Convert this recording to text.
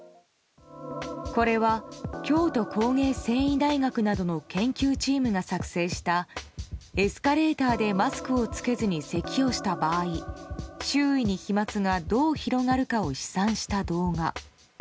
これは京都工芸繊維大学などの研究チームが作成したエスカレーターでマスクを着けずにせきをした場合周囲に飛沫がどう広がるかを試算した動画。